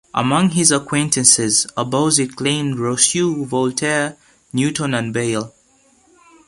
Among his acquaintances, Abauzit claimed Rousseau, Voltaire, Newton, and Bayle.